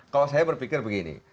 kalau saya berpikir begini